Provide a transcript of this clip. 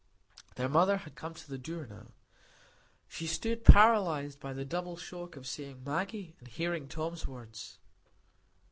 Their mother had come to the door now. She stood paralyzed by the double shock of seeing Maggie and hearing Tom's words.